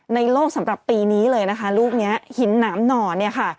ในโลกสำหรับปีนี้เลยลูกนี้หินน้ำหน่อน